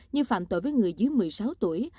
như phạm tội với người dưới một mươi sáu tuổi